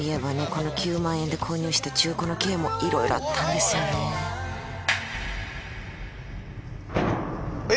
この９万円で購入した中古の軽もいろいろあったんですよねえ？